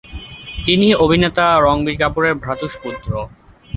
তিনি অভিনেতা রণধীর কাপুরের ভ্রাতুষ্পুত্র।